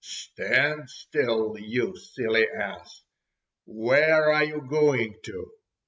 "Stand still, you silly ass, where are you going to?"